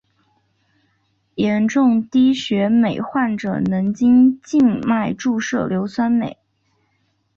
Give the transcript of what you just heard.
严重低血镁患者能经静脉注射硫酸镁。